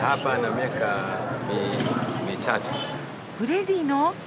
フレディの！？